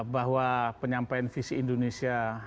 bahwa penyampaian visi indonesia